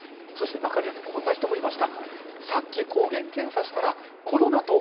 中にはこんな人もいました。